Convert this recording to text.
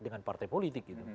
dengan partai politik